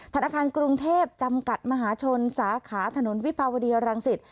ธนาคารกรุงเทพจำกัดมหาชนสาขาถนนวิภาวดีรังสิต